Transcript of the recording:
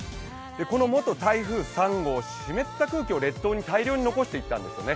この元台風３号、湿った空気を列島に大量に残していったんですよね。